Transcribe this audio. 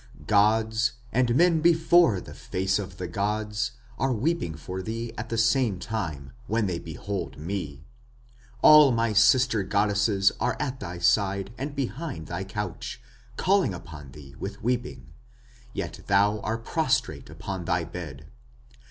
Gods and men before the face of the gods are weeping for thee at the same time, when they behold me!... All thy sister goddesses are at thy side and behind thy couch, Calling upon thee with weeping yet thou are prostrate upon thy bed!...